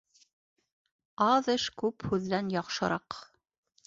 Аҙ эш күп һүҙҙән яҡшыраҡ.